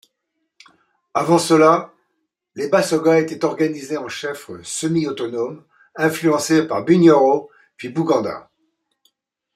Avant cela, les Basoga étaient organisés en chefs semi-autonomes influencés par Bunyoro puis Bouganda.